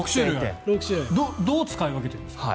どう使い分けてるんですか？